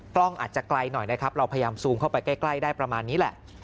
กล้องอาจจะไกลหน่อยนะครับเราพยายามซูมเข้าไปใกล้ได้ประมาณนี้แหละ